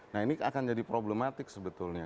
nah ini akan jadi problematik sebetulnya